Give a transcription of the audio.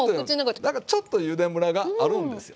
だからちょっとゆでムラがあるんですよ。